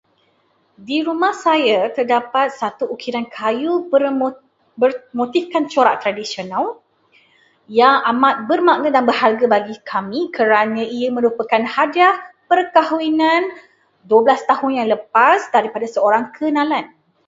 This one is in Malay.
Di rumah saya, terdapat satu ukiran kayu bermo- bermotifkan corak tradisional yang amat bermakna dan berharga bagi kami kerana ia merupakan hadiah perkahwinan dua belas tahun yang lepas daripada seorang kenalan.